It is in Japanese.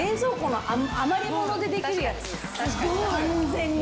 確かに。